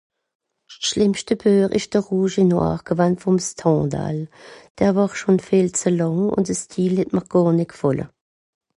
s schlimmschte Buech isch de Rouge et Noir gewann vom Stendahl, der wàr schon viel zü làng un de Style het mr gàr nitt gfàlle